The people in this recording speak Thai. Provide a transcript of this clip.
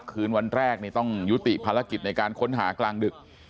คืนวันแรกต้องยุติภารกิจในการค้นหากลางดึก